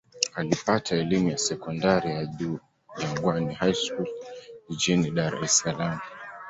Alipata elimu ya sekondari ya juu Jangwani High School jijini Dar es Salaam.